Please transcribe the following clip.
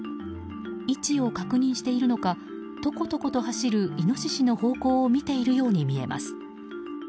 位置を確認しているのかトコトコと走るイノシシの方向を見ているように見えます。